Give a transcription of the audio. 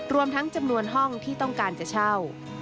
รวมทั้งจำนวนห้องที่ต้องการจะเช่า